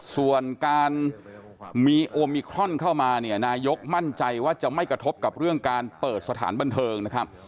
ส่วนการมีโอมิครอนเข้ามาเนี่ยนายกมั่นใจว่าจะไม่กระทบกับเรื่องการเปิดสถานบันเทิงนะครับ